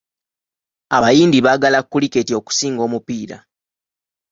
Abayindi baagala kuliketi okusinga omupiira.